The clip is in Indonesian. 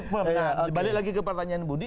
nah balik lagi ke pertanyaan budi